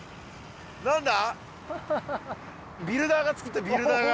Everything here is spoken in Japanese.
何だ？